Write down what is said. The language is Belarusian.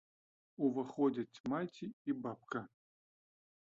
Уваходзяць маці і бабка.